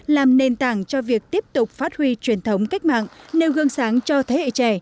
làm nền tảng cho việc tiếp tục phát huy truyền thống cách mạng nêu gương sáng cho thế hệ trẻ